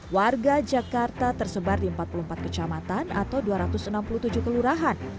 warga jakarta tersebar di empat puluh empat kecamatan atau dua ratus enam puluh tujuh kelurahan